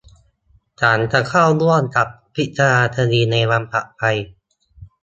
ฉันจะเข้าร่วมกับพิจารณาคดีในวันถัดไป